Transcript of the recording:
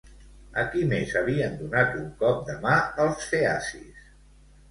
A qui més havien donat un cop de mà els feacis?